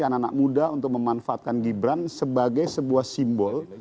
anak anak muda untuk memanfaatkan gibran sebagai sebuah simbol